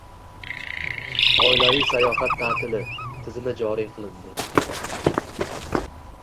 «Oilaviy sayohat ta’tili» tizimi joriy qilindi